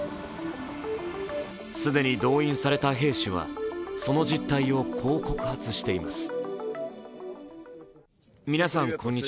既に動員された兵士は、その実態をこう告発しています。